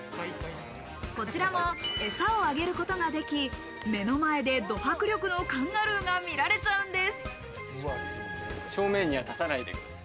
こちらも、えさをあげることができ、目の前でド迫力のカンガルーが見られちゃうんです。